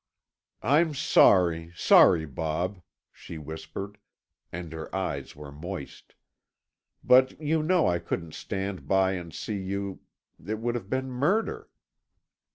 "I'm sorry, sorry, Bob," she whispered, and her eyes were moist. "But you know I couldn't stand by and see you—it would have been murder."